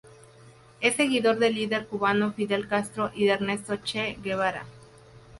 Es seguidor del líder cubano Fidel Castro y de Ernesto Che Guevara.